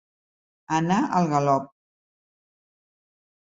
Anar al galop.